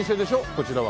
こちらは。